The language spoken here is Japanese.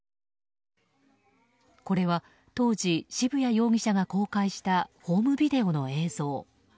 これは当時、渋谷容疑者が公開したホームビデオの映像。